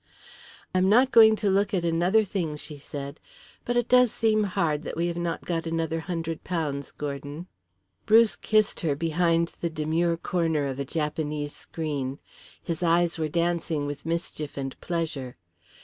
"I am not going to look at another thing," she said. "But it does seem hard that we have not got another hundred pounds, Gordon." Bruce kissed her behind the demure corner of a Japanese screen. His eyes were dancing with mischief and pleasure.